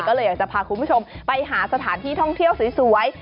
ก็เลยอยากจะพาคุณผู้ชมไปหาสถานที่ท่องเที่ยวสวย